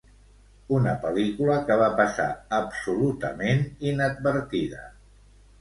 Una pel·lícula que va passar absolutament inadvertida.